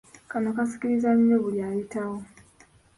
Kano kasikiriza nnyo buli ayitawo!